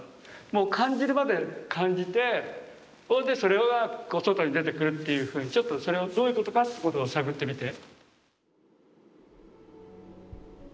もう感じるまで感じてそれが外に出てくるっていうふうにちょっとそれをどういうことかってことを探ってみて。